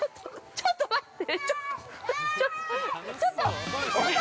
ちょっと待って。